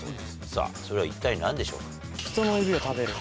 さぁそれは一体何でしょうか？